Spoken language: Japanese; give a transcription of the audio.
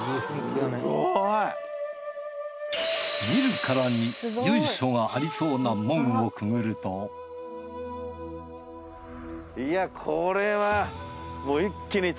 見るからに由緒がありそうな門をくぐるといやこれは。